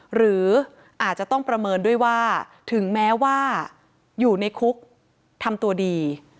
หรืออาจจะต้องประเมินด้วยว่าถึงแม้ว่าอยู่ในคุกทำตัวดี